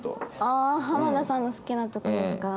ああ浜田さんの好きなとこですか？